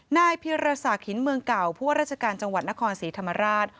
นายพิรษักหินเมืองเก่าผู้ว่าราชการจังหวัดนครศรีธรรมราช